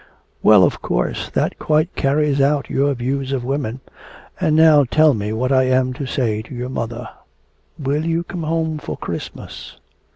"' 'Well, of course, that quite carries out your views of women. And now tell me what I am to say to your mother. Will you come home for Christmas?'